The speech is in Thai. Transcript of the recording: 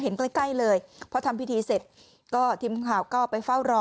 ใกล้ใกล้เลยพอทำพิธีเสร็จก็ทีมข่าวก็ไปเฝ้ารอ